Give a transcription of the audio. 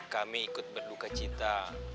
kami ikut berduka cinta